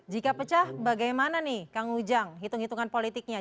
jika pecah bagaimana nih kang ujang hitung hitungan politiknya